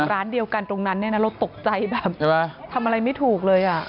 ร้านเดียวกันตรงนั้นเนี่ยนะเราตกใจแบบทำอะไรไม่ถูกเลยอ่ะ